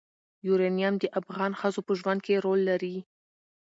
یورانیم د افغان ښځو په ژوند کې رول لري.